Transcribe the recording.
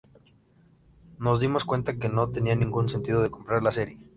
Nos dimos cuenta que no tenía ningún sentido comprar la serie.